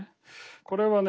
これはね